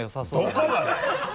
どこがだよ！